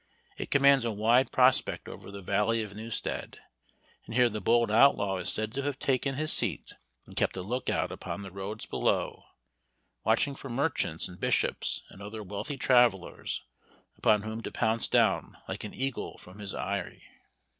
It commands a wide prospect over the valley of Newstead, and here the bold outlaw is said to have taken his seat, and kept a look out upon the roads below, watching for merchants, and bishops, and other wealthy travellers, upon whom to pounce down, like an eagle from his eyrie.